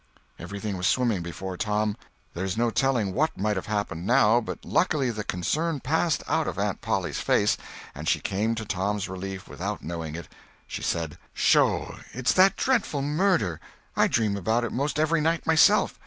Everything was swimming before Tom. There is no telling what might have happened, now, but luckily the concern passed out of Aunt Polly's face and she came to Tom's relief without knowing it. She said: "Sho! It's that dreadful murder. I dream about it most every night myself.